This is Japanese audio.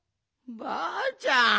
ばあちゃん。